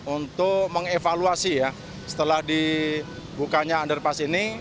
untuk mengevaluasi ya setelah dibukanya underpass ini